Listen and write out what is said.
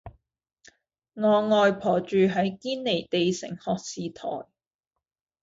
我外婆住喺堅尼地城學士臺